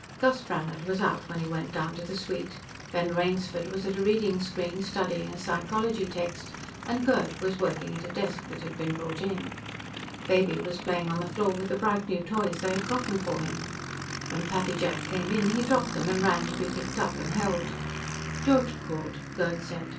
Gus Brannhard was out when he went down to the suite; Ben Rainsford was at a reading screen, studying a psychology text, and Gerd was working at a desk that had been brought in. Baby was playing on the floor with the bright new toys they had gotten for him. When Pappy Jack came in, he dropped them and ran to be picked up and held. "George called," Gerd said.